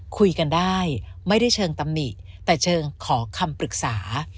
คุยกันได้ไม่ได้เชิงตำหนิแต่เชิงขอคำปรึกษา